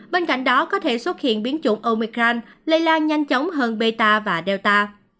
bên cạnh đó có thể xuất hiện biến chủng omicron lây lan nhanh chóng hơn bêta và delta